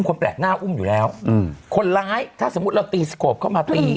คนแปลกหน้าอุ้มอยู่แล้วอืมคนร้ายถ้าสมมุติเราตีสโกบเข้ามาตี